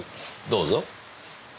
どうぞ。